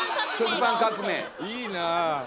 いいな。